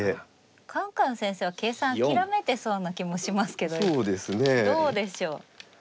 カンカン先生は計算諦めてそうな気もしますけどどうでしょう。